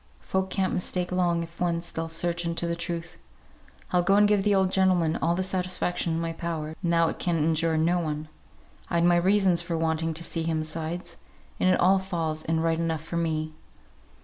Folk can't mistake long if once they'll search into the truth. I'll go and give the old gentleman all the satisfaction in my power, now it can injure no one. I'd my own reasons for wanting to see him besides, and it all falls in right enough for me."